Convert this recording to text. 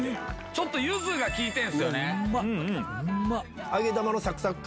ちょっとユズが利いてんすよね。